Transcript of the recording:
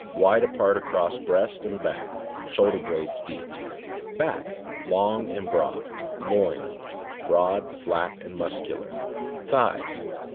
— Wide apart across breast and back; shoul der blades deep. Back. — Long and broad. Loin. — Broad, flat, and muscular. Thighs.